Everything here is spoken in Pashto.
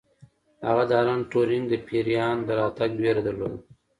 هغه د الن ټورینګ د پیریان د راتګ ویره درلوده